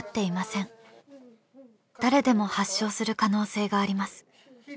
誰でも発症する可能性があります。